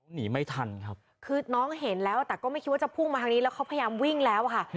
หนีไม่ทันครับคือน้องเห็นแล้วแต่ก็ไม่คิดว่าจะพุ่งมาทางนี้แล้วเขาพยายามวิ่งแล้วค่ะ